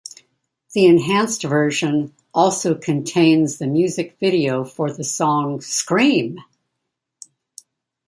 The enhanced version also contains the music video for the song Scream!